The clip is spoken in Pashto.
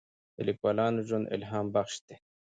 د لیکوالانو ژوند الهام بخش دی.